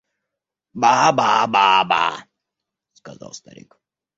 – Ба, ба, ба, ба! – сказал старик.